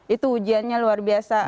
itu ujiannya luar biasa